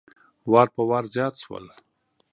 وار په وار زیات شول.